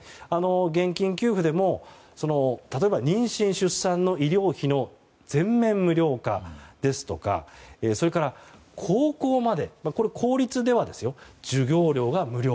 現金給付でも例えば、妊娠・出産の医療費の全面無料化ですとかそれから高校まで公立は授業料が無料。